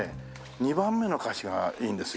２番目の歌詞がいいんですよ。